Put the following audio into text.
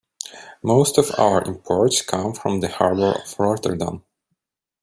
Most of our imports come from the harbor of Rotterdam.